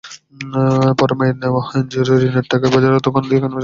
পরে মায়ের নেওয়া এনজিওর ঋণের টাকায় বাজারেই দোকান দিয়ে কেনাবেচা শুরু করলাম।